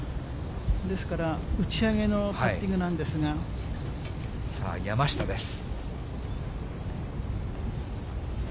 ですから、打ち上げのパッティンさあ、山下です。